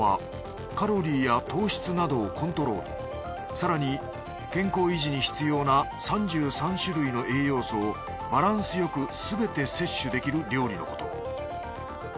更に健康維持に必要な３３種類の栄養素をバランスよくすべて摂取できる料理のこと。